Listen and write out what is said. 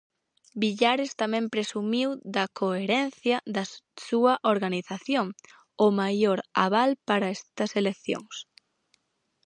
Villares tamén presumiu da "coherencia" da súa organización, "o maior aval para estas eleccións".